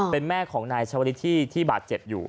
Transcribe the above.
เป็นแม่ของนายชาวลิศที่บาดเจ็บอยู่